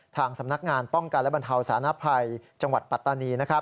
ทางสำนักงานป้องกันและบรรเทาสานภัยจังหวัดปัตตานี